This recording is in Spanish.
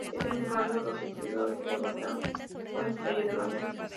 Ese mismo año, los exhibidores le votaron como "Estrella de Mañana".